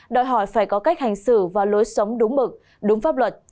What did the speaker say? đòi hỏi phải có cách hành xử và lối sống đúng mực đúng pháp luật